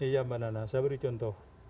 iya mbak nana saya beri contoh